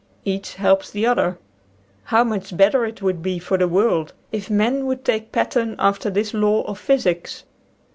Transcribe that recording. Each helps the other. How much better it would be for the world if men would take pattern after this law of physics